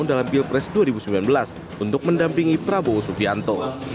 dalam pilpres dua ribu sembilan belas untuk mendampingi prabowo subianto